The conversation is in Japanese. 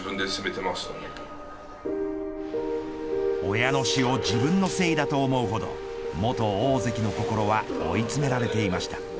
親の死を自分のせいだと思うほど元大関の心は追い詰められていました。